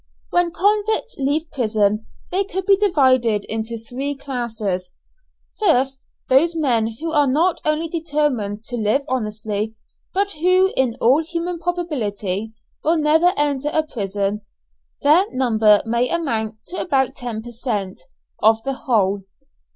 When convicts leave prison they could be divided into three classes. First, those men who are not only determined to live honestly, but who in all human probability will never again enter a prison; their number may amount to about ten per cent. of the whole.